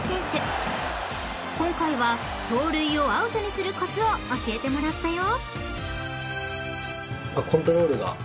［今回は盗塁をアウトにするコツを教えてもらったよ］